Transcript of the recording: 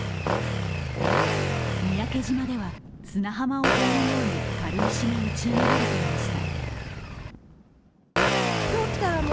三宅島では砂浜を覆うように軽石が打ち上げられていました。